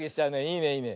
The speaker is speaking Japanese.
いいねいいね。